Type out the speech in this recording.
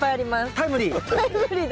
タイムリーで。